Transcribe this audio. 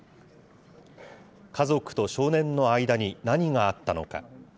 家族と少年の間に何があったのか。